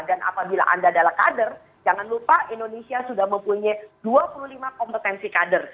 dan apabila anda adalah kader jangan lupa indonesia sudah mempunyai dua puluh lima kompetensi kader